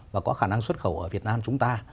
và có khả năng xuất khẩu ở việt nam chúng ta